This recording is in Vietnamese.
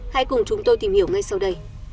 hãy cùng chúng tôi tìm hiểu ngay sau đây